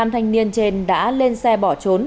năm thanh niên trên đã lên xe bỏ trốn